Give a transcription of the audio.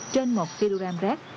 trên một kg rác